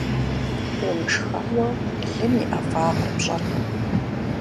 Умышхауэ, лым и ӀэфӀагъыр пщӀэркъым.